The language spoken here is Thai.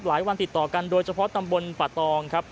วันติดต่อกันโดยเฉพาะตำบลป่าตองครับ